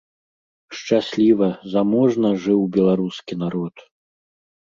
Шчасліва, заможна жыў беларускі народ!